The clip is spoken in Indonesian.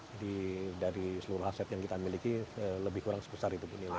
jadi dari seluruh aset yang kita miliki lebih kurang sebesar itu ibu nilainya